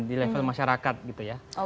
di level masyarakat